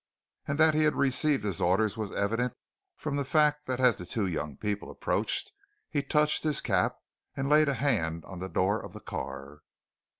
And that he had received his orders was evident from the fact that as the two young people approached he touched his cap and laid a hand on the door of the car.